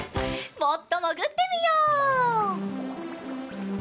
もっともぐってみよう。